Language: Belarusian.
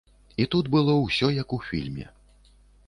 І тут было ўсё як у фільме.